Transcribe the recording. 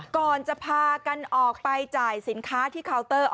ก่อนจะพากันออกไปจ่ายสินค้าที่เคาน์เตอร์